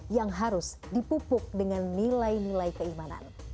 yang harus dipupuk dengan nilai nilai keimanan